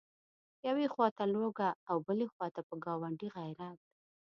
یوې خواته لوږه او بلې خواته په ګاونډي غیرت.